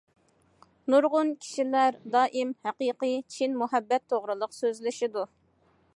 نۇرغۇن كىشىلەر دائىم ھەقىقىي، چىن مۇھەببەت توغرىلىق سۆزلىشىدۇ.